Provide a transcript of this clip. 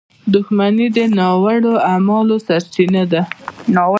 • دښمني د ناوړه اعمالو سرچینه ده.